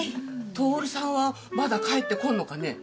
トオルさんはまだ帰ってこんのかね？